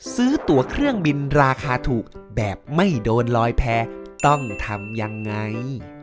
ซื้อตัวเครื่องบินราคาถูกแบบไม่โดนลอยแพ้ต้องทำยังไง